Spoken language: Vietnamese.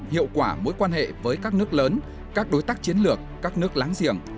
hiệu quả mối quan hệ với các nước lớn các đối tác chiến lược các nước láng giềng